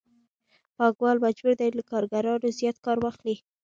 پانګوال مجبور دی چې له کارګرانو زیات کار واخلي